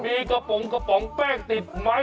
มีกระป๋องกระป๋องแป้งติดไม้